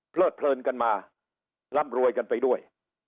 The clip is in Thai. เพลิดเพลินกันมาร่ำรวยกันไปด้วย